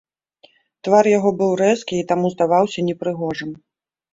Твар яго быў рэзкі і таму здаваўся непрыгожым.